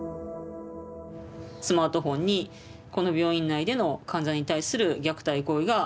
スマートフォンにこの病院内での患者に対する虐待行為が録画されていて。